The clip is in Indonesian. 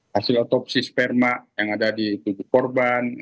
hasil otopsi sperma yang ada di tubuh korban